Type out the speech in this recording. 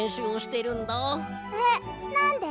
えっなんで？